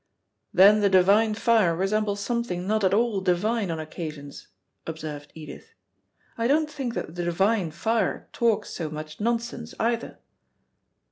"Then the divine fire resembles something not at all divine on occasions," observed Edith. "I don't think that the divine fire talks so much nonsense either."